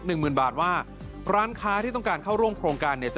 หมื่นบาทว่าร้านค้าที่ต้องการเข้าร่วมโครงการเนี่ยจะ